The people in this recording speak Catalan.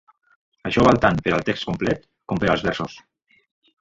Això val tant per al text complet com per als versos.